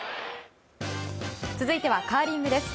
続いてはカーリングです。